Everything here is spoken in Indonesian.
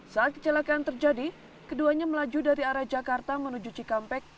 saat kecelakaan terjadi keduanya melaju dari arah jakarta menuju cikampek